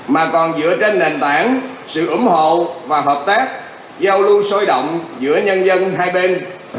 mà còn dựa trên nền tảng sự ủng hộ và hợp tác giao lưu sôi động giữa nhân dân hai bên